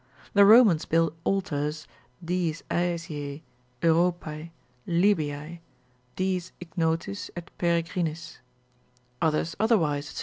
The Romans built altars Diis Asiae, Europae, Lybiae, diis ignotis et peregrinis: others otherwise, &c.